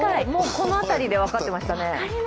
この辺りで分かってましたね。